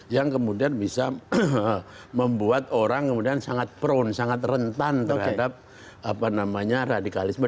yang kemudian bisa membuat orang kemudian sangat prone sangat rentan terhadap radikalisme